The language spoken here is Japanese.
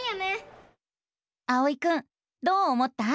あおいくんどう思った？